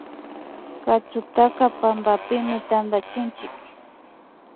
Katsutaka pampapimi tantachinchik